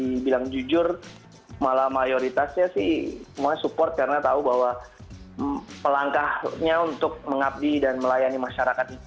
jadi bilang jujur malah mayoritasnya sih semuanya support karena tahu bahwa pelangkahnya untuk mengabdi dan melayani masyarakat